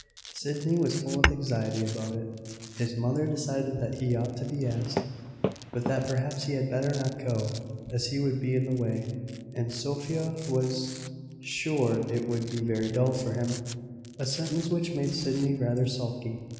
Sydney was full of anxiety about it. His mother decided that he ought to be asked, but that perhaps he had better not go, as he would be in the way; and Sophia was sure it would be very dull for him; a sentence which made Sydney rather sulky.